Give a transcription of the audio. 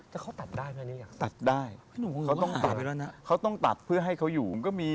แต่เขาตัดได้มั้ยอันนี้อย่างนี้อย่างนี้อย่างนี้อย่างนี้อย่างนี้